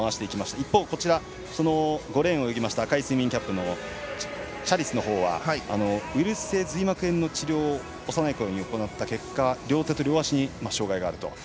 一方、５レーンの赤いスイミングキャップチャリスのほうはウイルス性髄膜炎の治療を幼いころに行った結果両手と両足に障がいがあると。